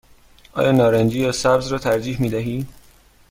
آیا نارنجی یا سبز را ترجیح می دهی؟